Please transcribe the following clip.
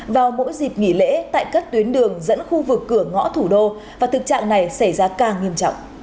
vào mỗi dịp nghỉ lễ tại các tuyến đường dẫn khu vực cửa ngõ thủ đô và thực trạng này xảy ra càng nghiêm trọng